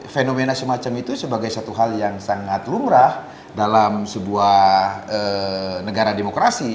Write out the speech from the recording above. fenomena semacam itu sebagai satu hal yang sangat lumrah dalam sebuah negara demokrasi